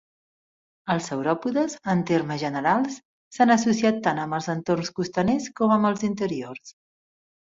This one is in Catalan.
Els sauròpodes, en termes generals, s'han associat tant amb els entorns costaners com amb els interiors.